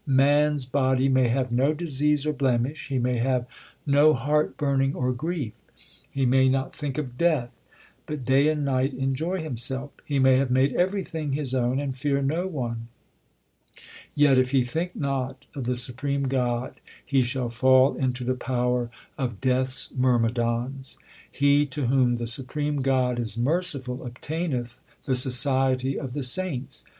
Man s body may have no disease or blemish ; he may have no heart burning or grief ; He may not think of death, but day and night enjoy him self ; He may have made everything his own and fear no one ; Yet if he think not of the supreme God, he shall fall into the power of Death s myrmidons. He to whom the supreme God is merciful obtaineth the society of the saints.